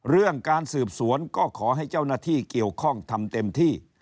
เรื่องการสืบสวนก็ขอให้เจ้าหน้าที่เกี่ยวข้องทำเต็มที่